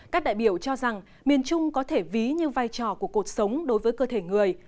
các đại biểu cho rằng miền trung có thể ví như vai trò của cuộc sống đối với cơ thể người